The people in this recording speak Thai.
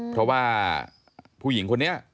เพราะว่าผู้หญิงคนนี้